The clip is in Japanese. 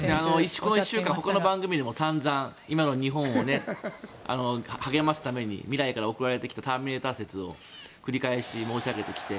この１週間、他の番組でも散々、今の日本を励ますために未来から送られてきたターミネーター説を繰り返し申し上げてきて。